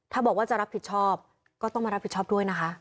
ถ้าบอกว่าจะรับผิดชอบก็ต้องมารับผิดชอบด้วยนะคะ